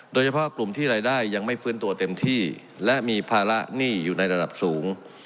โดยเฉพาะกลุ่มที่รายได้ยังไม่ฟื้นตัวเต็มที่และมีภาระหนี้อยู่ในระดับสูง